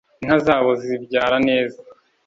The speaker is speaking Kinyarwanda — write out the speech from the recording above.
inka zabo zibyara neza